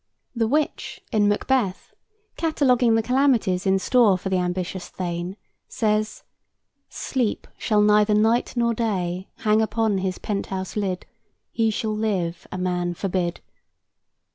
The witch, in "Macbeth," cataloguing the calamities in store for the ambitious Thane, says: "Sleep shall neither night nor day Hang upon his pent house lid; He shall live a man forbid."